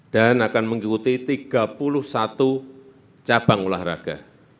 dan akan mengikuti tiga puluh satu cabang olahraga